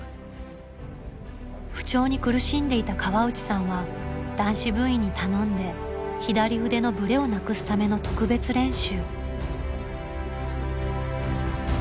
不調に苦しんでいた河内さんは男子部員に頼んで左腕のブレをなくすための特別練習。